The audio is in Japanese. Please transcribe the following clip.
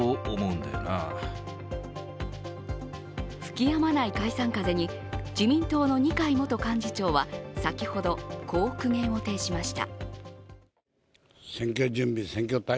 吹き止まない解散風に自民党の二階元幹事長は先ほど、こう苦言を呈しました。